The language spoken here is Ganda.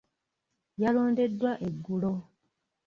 Yalondeddwa eggulo.